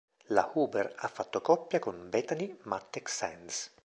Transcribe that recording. La Huber ha fatto coppia con Bethanie Mattek-Sands.